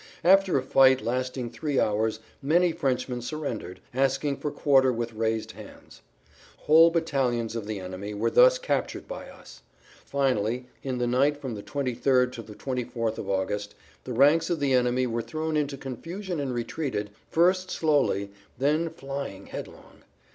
After a fight lasting three hours many Frenchmen surrendered, asking for quarter with raised hands. Whole battalions of the enemy were thus captured by us. Finally, in the night from the 23rd to the 24th of August, the ranks of the enemy were thrown into confusion and retreated, first slowly, then flying headlong.